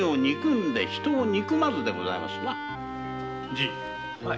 じい！